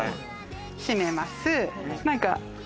閉めます。